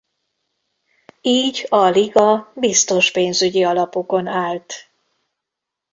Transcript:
Így a liga biztos pénzügyi alapokon állt.